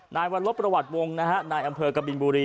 นายวัลลบประวัติวงศ์นะฮะนายอำเภอกบินบุรี